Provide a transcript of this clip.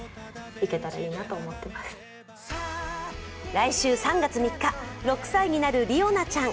来週３月３日、６歳になるりおなちゃん。